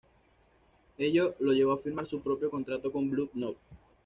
Ello le llevó a firmar su propio contrato con Blue Note.